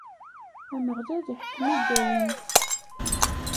Ameɣlal iḥkem i dayem.